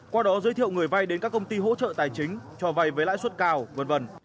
qua đó giới thiệu người vay đến các công ty hỗ trợ tài chính cho vay với lãi suất cao v v